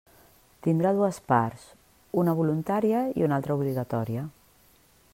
Tindrà dues parts: una voluntària i una altra obligatòria.